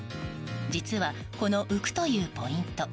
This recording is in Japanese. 実は、この浮くというポイント